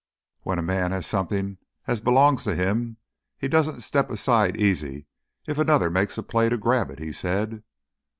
"When a man has somethin' as belongs to him, he doesn't step aside easy if another makes a play to grab it," he said.